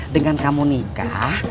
dengan kamu nikah